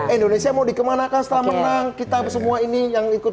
indonesia mau dikemanakan setelah menang kita semua ini yang ikut